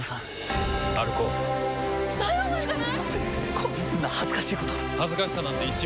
こんな恥ずかしいこと恥ずかしさなんて１ミリもない。